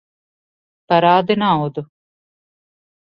Parādi naudu!